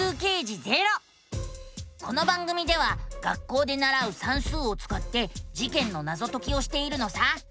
この番組では学校でならう「算数」をつかって事件のナゾ解きをしているのさ。